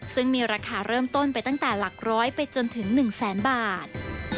ซึ่งมีราคาเริ่มต้นไปตั้งแต่หลักร้อยไปจนถึง๑แสนบาท